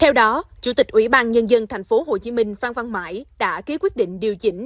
theo đó chủ tịch ủy ban nhân dân tp hcm phan văn mãi đã ký quyết định điều chỉnh